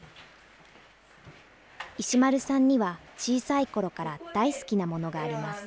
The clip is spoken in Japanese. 石丸さんには、小さいころから大好きなものがあります。